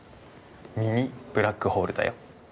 ミニブラックホールだよ。